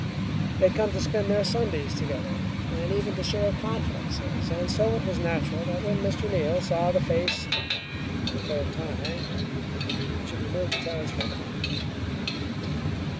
They had come to spend their Sundays together, and even to share confidences, and so it was natural that when Mr. Neal saw the face for the third time he should be moved to tell his friend about it.